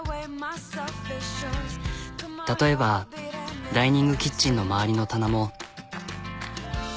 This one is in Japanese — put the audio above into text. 例えばダイニングキッチンの周りの棚も。